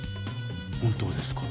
本当ですか？